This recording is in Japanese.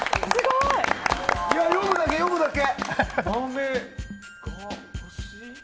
読むだけ、読むだけ。